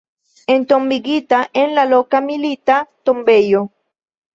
Entombigita en la loka Milita Tombejo.